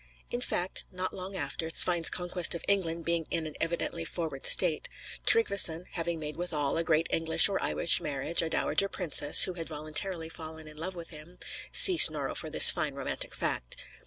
In fact, not long after, Svein's conquest of England being in an evidently forward state, Tryggveson (having made, withal, a great English or Irish marriage, a dowager princess, who had voluntarily fallen in love with him, see Snorro for this fine romantic fact!)